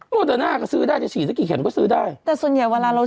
โมเดรนาก็ซื้อได้จะฉีดอักกี่เข็มก็ซื้อได้